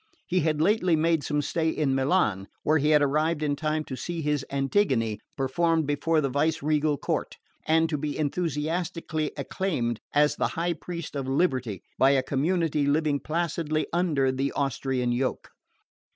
He had lately made some stay in Milan, where he had arrived in time to see his Antigone performed before the vice regal court, and to be enthusiastically acclaimed as the high priest of liberty by a community living placidly under the Austrian yoke.